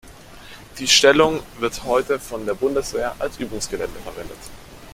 Die Stellung wird heute von der Bundeswehr als Übungsgelände verwendet.